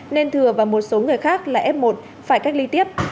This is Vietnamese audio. nên thừa và một số người khác là f một phải cách ly tiếp